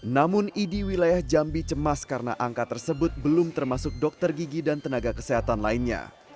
namun idi wilayah jambi cemas karena angka tersebut belum termasuk dokter gigi dan tenaga kesehatan lainnya